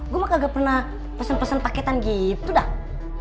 gue mah kagak pernah pesen pesen paketan gitu dah